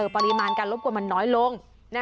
ปริมาณการรบกวนมันน้อยลง